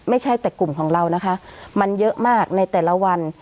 ไม่ใช่แต่กลุ่มของเรานะคะมันเยอะมากในแต่ละวัน